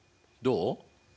どう？